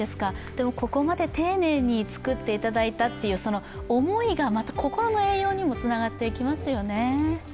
でもここまで丁寧に作っていただいたという思いがまた心の栄養にもつながっていきますよね。